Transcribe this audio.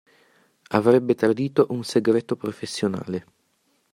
Avrebbe tradito un segreto professionale.